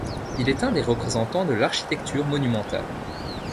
Il est un des représentants de l'architecture monumentale.